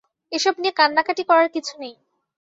এসব নিয়ে কাঁন্নাকাটি করার কিছু নেই।